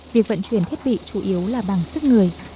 việc vận chuyển thiết bị chủ yếu là bằng sức người